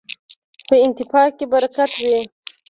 په اتفاق کي برکت وي.